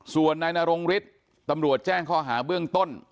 ส่วนนายนรงฤทธิ์ตำรวจแจ้งข้อหาเบื้องต้น